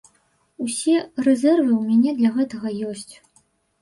Усе рэзервы ў мяне для гэтага ёсць.